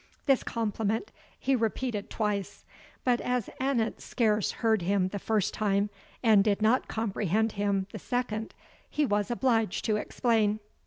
This compliment he repeated twice; but as Annot scarce heard him the first time, and did not comprehend him the second, he was obliged to explain.